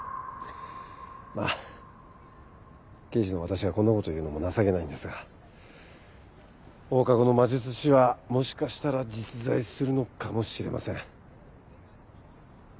まぁ刑事の私がこんなことを言うのも情けないんですが放課後の魔術師はもしかしたら実在するのかもしれません。